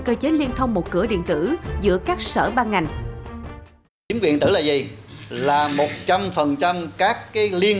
cơ chế liên thông một cửa điện tử giữa các sở ban ngành chiếm quyền tử là gì là một trăm linh các cái liên